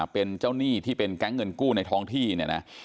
เป็นเจ้าหนี้ที่เป็นแก๊งเงินกู้ในท้องที่เนี่ยนะ